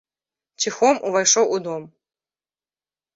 Ціхом увайшоў у дом.